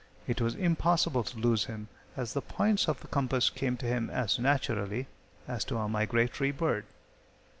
It was impossible to lose him, as the points of the compass came to him as naturally as to a migratory bird.